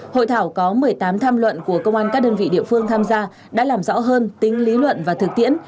hội thảo có một mươi tám tham luận của công an các đơn vị địa phương tham gia đã làm rõ hơn tính lý luận và thực tiễn